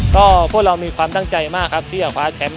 ก็พวกเรามีความตั้งใจมากครับที่จะคว้าแชมป์